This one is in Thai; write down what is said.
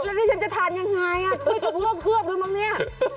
แล้วนี่ฉันจะทานยังไงถ้วยกระเพือบด้วยมั้งนี่